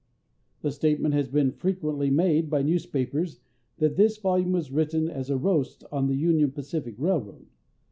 The statement has been frequently made by newspapers that this volume was written as a roast on the Union Pacific railroad.